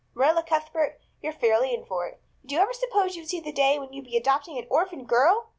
Marilla Cuthbert, you're fairly in for it. Did you ever suppose you'd see the day when you'd be adopting an orphan girl?